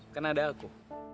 kan ada aku